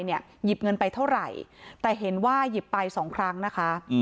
หยิบเงินไปเท่าไหร่แต่เห็นว่าหยิบไปสองครั้งนะคะ